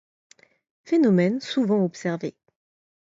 Phénomène souvent observé.